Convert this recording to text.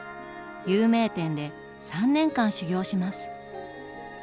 有名店で３年間修業します。